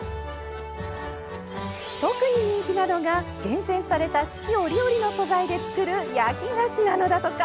特に人気なのが厳選された四季折々の素材で作る焼き菓子なのだとか。